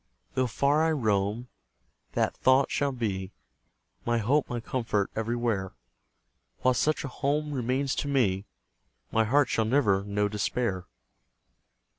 Though far I roam, that thought shall be My hope, my comfort, everywhere; While such a home remains to me, My heart shall never know despair!